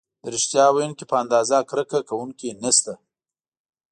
د ریښتیا ویونکي په اندازه کرکه کوونکي نشته.